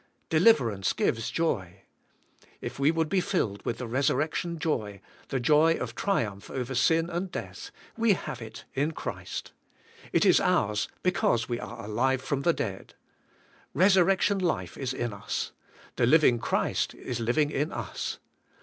Deliverance g ives joy. If we would be filled with the resurrection joy, the joy of triumph over sin and death, we have it in Christ. It is ours because we are alive from the dead. Resurrection life is in us. The living Christ is living in us.